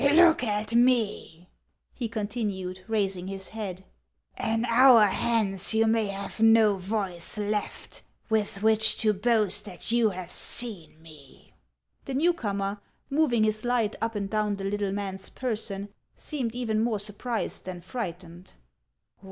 " Look at me," he continued, raising his head ;" an hour hence you may have no voice left with which to boast that you have seen me." The new comer, moving his light up and down the HANS OF ICELAND. 283 little man's person, seemed even more surprised than frightened.